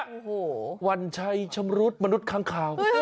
โอ้โหวันชัยชำรุดมนุษย์ค้างคาว